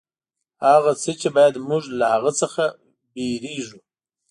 هغه څه چې باید موږ له هغه څخه وېرېږو.